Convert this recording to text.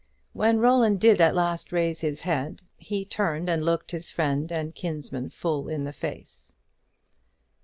When Roland did at last raise his head, he turned and looked his friend and kinsman full in the face.